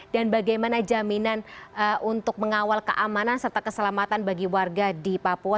dan bagaimana jaminan untuk mengawal keamanan serta keselamatan bagi warga di papua